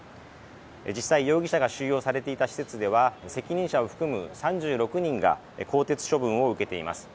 実際、容疑者が収容されていた施設では責任者を含む３６人が更迭処分を受けています。